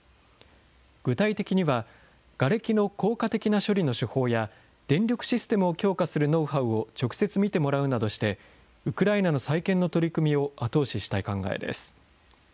具体的には、がれきの効果的な処理の手法や、電力システムを強化するノウハウを直接見てもらうなどして、ウクライナの再建の取り組みを後押ししたい考えです。